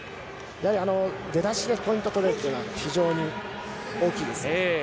出だしでポイント取れるというのは非常に大きいです。